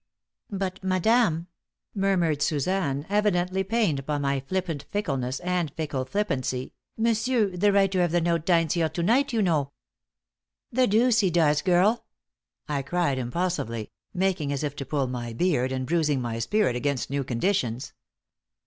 "But, madame," murmured Suzanne, evidently pained by my flippant fickleness and fickle flippancy, "monsieur, the writer of the note, dines here to night, you know." "The deuce he does, girl!" I cried, impulsively, making as if to pull my beard, and bruising my spirit against new conditions.